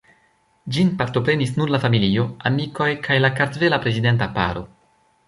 Ĝin partoprenis nur la familio, amikoj kaj la kartvela prezidenta paro.